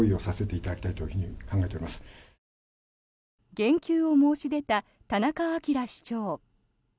減給を申し出た田中明市長。